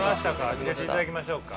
見せていただきましょうか。